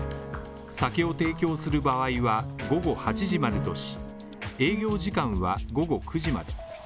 酒を提供する場合は、午後８時までとし、営業時間は午後９時まで。